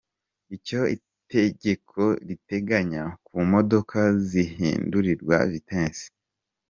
Icyo itegeko riteganya ku modoka zihindurirwa vitesi.